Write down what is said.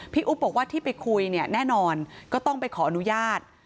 อุ๊บบอกว่าที่ไปคุยเนี่ยแน่นอนก็ต้องไปขออนุญาต